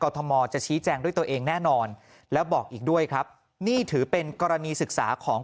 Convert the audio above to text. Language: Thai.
ตัวเองแน่นอนแล้วบอกอีกด้วยครับนี่ถือเป็นกรณีศึกษาของ